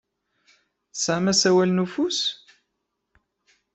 Tesɛam asawal n ufus?